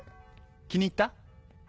気に入った？